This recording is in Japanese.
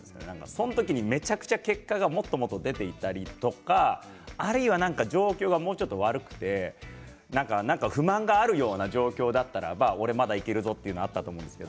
その時にめちゃくちゃ結果がもっともっと出ていたりとかあるいは状況が悪くて不満があるような状況だったらば俺、まだいけるぞというのがあったと思うんです